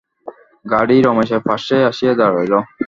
গাড়ি রমেশের পার্শ্বে আসিয়া দাঁড়াইল।